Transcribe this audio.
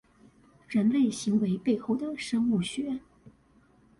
人類行為背後的生物學